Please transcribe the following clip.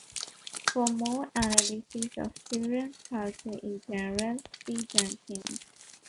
For more analysis of children's culture in general, see Jenkins.